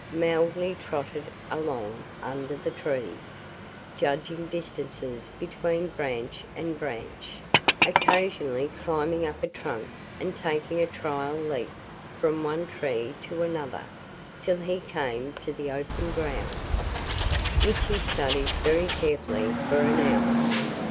Mowgli trotted along under the trees, judging distances between branch and branch, occasionally climbing up a trunk and taking a trial leap from one tree to another till he came to the open ground, which he studied very carefully for an hour.